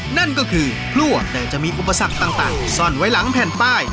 นั่นก็คือพลั่วแต่จะมีอุปสรรคต่างซ่อนไว้หลังแผ่นป้าย